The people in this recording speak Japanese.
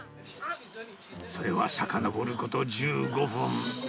それはさかのぼること１５分。